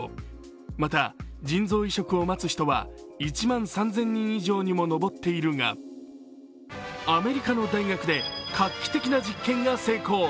また、腎臓移植を待つ人は１万３０００人以上にも上っているがアメリカの大学で画期的な実験が成功。